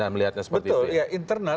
betul ya internal